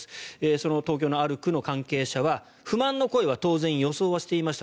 その東京のある区の関係者は不満の声は当然、予想していました。